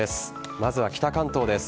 まずは、北関東です。